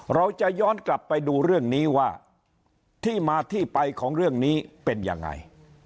เราจะย้อนกลับไปดูเรื่องนี้ว่าที่มาที่ไปของเรื่องนี้เป็นยังไง